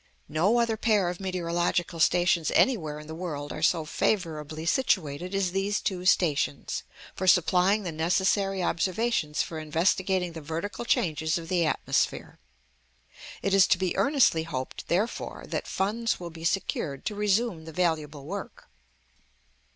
No other pair of meteorological stations anywhere in the world are so favourably situated as these two stations, for supplying the necessary observations for investigating the vertical changes of the atmosphere. It is to be earnestly hoped, therefore, that funds will be secured to resume the valuable work.